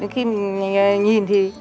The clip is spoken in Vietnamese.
khi mình nhìn thì